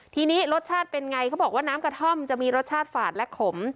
ทีนี้รสชาติเป็นไงเขาบอกว่าน้ำกระท่อมจะมีรสชาติฝาดและขม